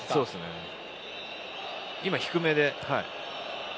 今、低めで。